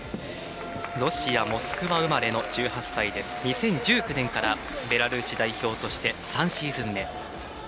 ロシア・モスクワ生まれの２０１９年からベラルーシ代表として３シーズン目。